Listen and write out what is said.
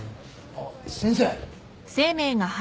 あっ先生。